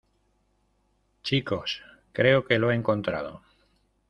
Chicos, creo que lo he encontrado.